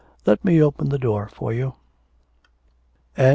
... Let me open the door for you.' XII.